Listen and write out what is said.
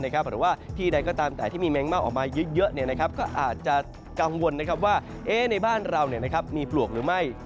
หรือว่าที่ใดก็ตามแต่ที่มีแมงเม่าออกมาเยอะก็อาจจะกังวลว่าในบ้านเรามีปลวกหรือไม่